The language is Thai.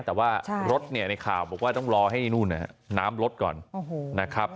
แต่ว่ารถเนี่ยในข่าวบอกว่าต้องรอให้นู่นน้ำลดก่อนนะครับ